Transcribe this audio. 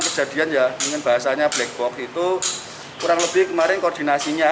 kejadian ya ingin bahasanya black box itu kurang lebih kemarin koordinasinya